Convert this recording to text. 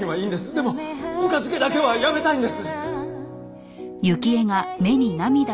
でもぬか漬けだけはやめたいんです！